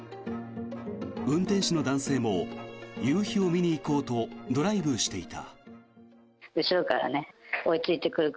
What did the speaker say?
運転手の男性も夕日を見に行こうとドライブしていた。